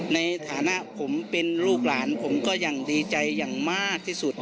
ในฐานะผมเป็นลูกหลานผมก็ยังดีใจอย่างมากที่สุด